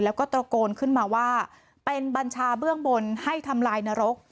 แล้วก็ตระโกนขึ้นมาว่าเป็นบัญชาเบื้องบนให้ทำลายนรก